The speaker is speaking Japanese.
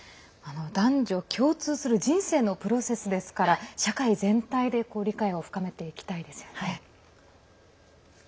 男女共通する人生のプロセスですから社会全体で理解を深めていきたいですよね。